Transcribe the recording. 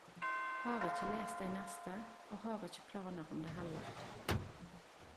Har ikkje lest dei neste og har ikkje planer om det heller.